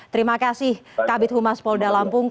terima kasih kabit humas polda lampung